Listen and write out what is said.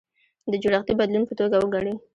د جوړښتي بدلون په توګه وګڼي.